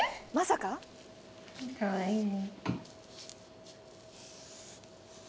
かわいいね。